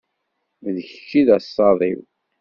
D kečč i d asaḍ-iw.